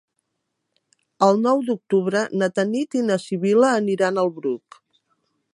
El nou d'octubre na Tanit i na Sibil·la aniran al Bruc.